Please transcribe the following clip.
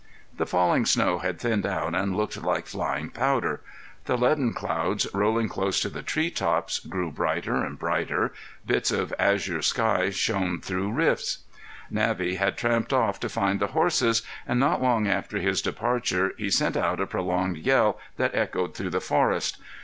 The falling snow had thinned out and looked like flying powder; the leaden clouds, rolling close to the tree tops, grew brighter and brighter; bits of azure sky shone through rifts. Navvy had tramped off to find the horses, and not long after his departure he sent out a prolonged yell that echoed through the forest.